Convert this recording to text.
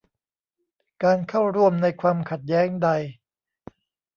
การเข้าร่วมในความขัดแย้งใด